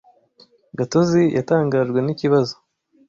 Gatozi yatangajwe n'ikibazo.